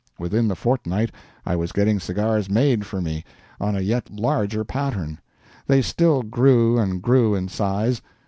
Within the fortnight I was getting cigars made for me on a yet larger pattern. They still grew and grew in size.